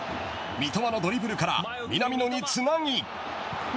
三笘のドリブルから南野につなぎ。